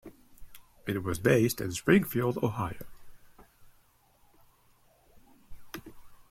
It was based in Springfield, Ohio.